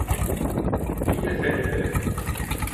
Nice senelere.